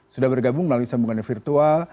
sudah bergabung melalui sambungan virtual